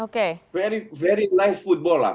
mereka bermain bola segar